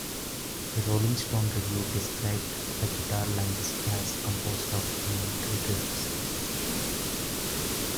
A "Rolling Stone" review described the guitar lines as composed of "elementary riffs.